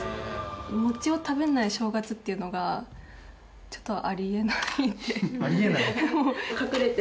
餅を食べない正月っていうのがちょっとありえない。